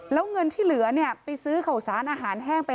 แล้วเงินที่เหลือเนี่ยไปซื้อข่าวสารอาหารแห้งไป